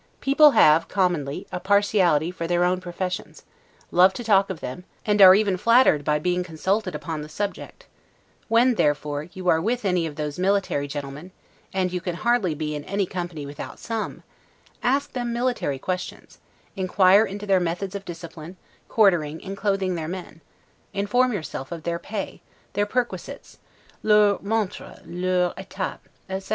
People have, commonly, a partiality for their own professions, love to talk of them, and are even flattered by being consulted upon the subject; when, therefore, you are with any of those military gentlemen (and you can hardly be in any company without some), ask them military questions, inquire into their methods of discipline, quartering, and clothing their men; inform yourself of their pay, their perquisites, 'lours montres, lours etapes', etc.